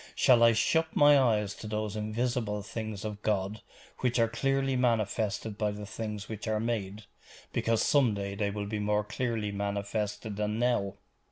Shall I shut my eyes to those invisible things of God which are clearly manifested by the things which are made, because some day they will be more clearly manifested than now?